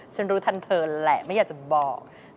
ฉันรู้ทันเธอแหละไม่อยากจะบอก